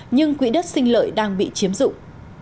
nhưng quỹ đất sinh lợi đang bị chiếm dụng